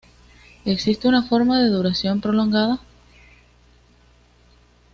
Existe una forma de duración prolongada.